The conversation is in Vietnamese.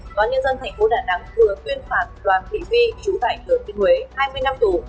doanh nhân dân thành phố đà nẵng vừa tuyên phản đoàn thủy vi chủ tại thường tiên huế hai mươi năm tù